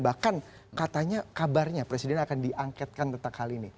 bahkan katanya kabarnya presiden akan diangketkan tentang hal ini